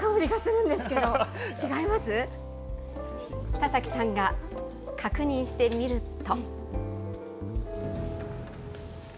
田崎さんが確認してみると。